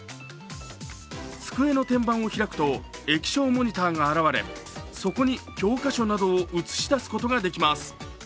机の天板を開くと液晶モニターが現れそこに教科書などを映し出すことができます。